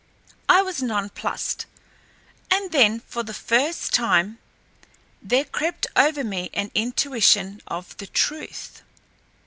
I was nonplused, and then, for the first time, there crept over me an intuition of the truth.